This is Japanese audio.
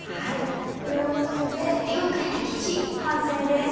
これをのせて完成です。